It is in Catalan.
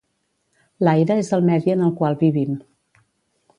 L'aire és el medi en el qual vivim.